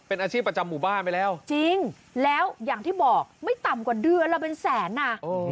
เป็นอาชีพประจำหมู่บ้านไปแล้วจริงแล้วอย่างที่บอกไม่ต่ำกว่าเดือนละเป็นแสนอ่ะ